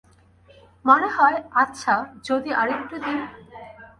মনে হয়-আচ্ছা যদি আর একটু দি?